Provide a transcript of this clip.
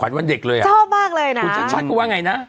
นั่นแหละ